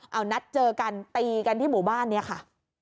เอานัดเจอกันตีกันที่หมู่บ้านนี้ค่ะ